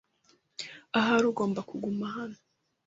Ahari ugomba kuguma hano.